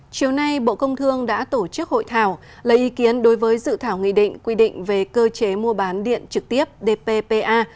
chiều nay bộ công thương đã tổ chức hội thảo lấy ý kiến đối với dự thảo nghị định quy định về cơ chế mua bán điện trực tiếp dppa